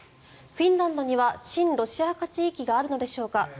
フィンランドには親ロシア派地域があるのでしょうか。